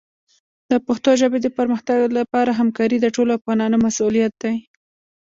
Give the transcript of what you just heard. د پښتو ژبې د پرمختګ لپاره همکاري د ټولو افغانانو مسؤلیت دی.